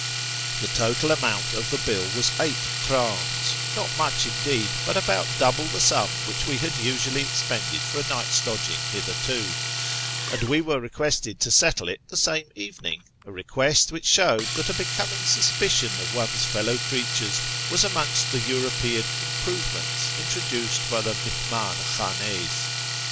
The total amount of the bill was eight krdns — not much, indeed, but about double the sum which we had usually expended for a night's lodging hitherto — and we were requested to settle it the same evening — a request which showed that a becoming suspicion of one's fellow creatures was amongst the European " improvements " introduced by the mihmdn khdnds.